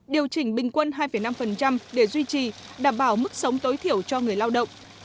điều chỉnh bình quân hai năm để duy trì đảm bảo mức sống tối thiểu cho người lao động